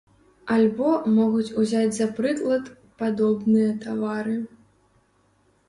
Альбо могуць узяць за прыклад падобныя тавары.